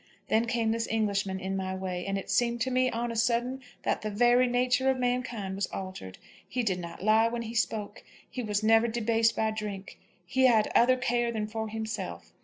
Then came this Englishman in my way; and it seemed to me, on a sudden, that the very nature of mankind was altered. He did not lie when he spoke. He was never debased by drink. He had other care than for himself.